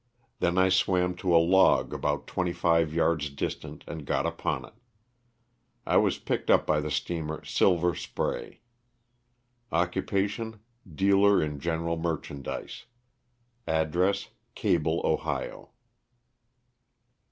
Then I swam to a log about twenty five yards distant, and got upon it. I was picked up by the steamer '^ Silver Spray." Occupation, dealer in general merchandise. Address, Cable, Ohio.